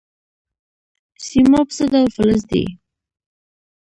سیماب څه ډول فلز دی؟